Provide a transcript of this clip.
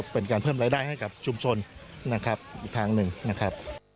เป็นการเพิ่มรายได้ให้กับชุมชนนะครับอีกทางหนึ่งนะครับ